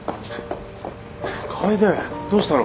楓どうしたの？